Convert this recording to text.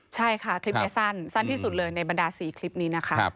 ใช่ค่ะคลิปนี้สั้นที่สุดเลยในบรรดา๔คลิปนี้นะคะ